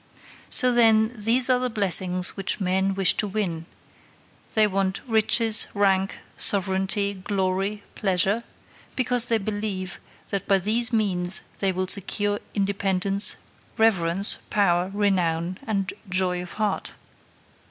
So, then, these are the blessings men wish to win; they want riches, rank, sovereignty, glory, pleasure, because they believe that by these means they will secure independence, reverence, power, renown, and joy of heart.